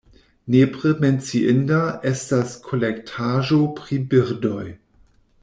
Nepre menciinda estas kolektaĵo pri birdoj.